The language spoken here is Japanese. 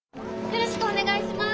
よろしくお願いします。